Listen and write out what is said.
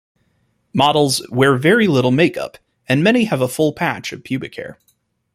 Models wear very little make-up and many have a full patch of pubic hair.